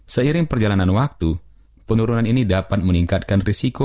seiring perjalanan waktu penurunan ini dapat meningkatkan risikonya